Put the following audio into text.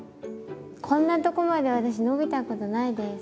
こんなとこまで私伸びたことないです。